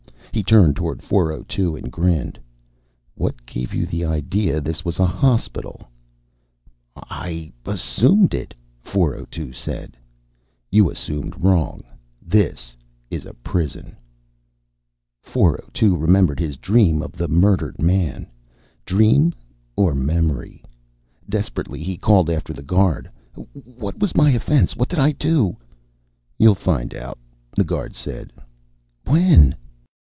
He turned toward 402 and grinned. "What gave you the idea this was a hospital?" "I assumed it," 402 said. "You assumed wrong. This is a prison." 402 remembered his dream of the murdered man. Dream or memory? Desperately he called after the guard. "What was my offense? What did I do?" "You'll find out," the guard said. "When?"